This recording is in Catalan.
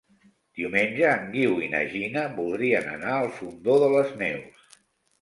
Diumenge en Guiu i na Gina voldrien anar al Fondó de les Neus.